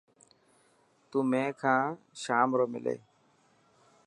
تون مين کان شام رو ملي.